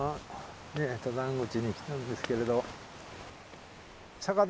登山口に来たんですけれど。